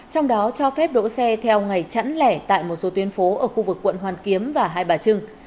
trong đó cho phép đỗ xe theo ngày chẵn lẻ tại một số tuyến phố ở khu vực quận hoàn kiếm và hai bà trưng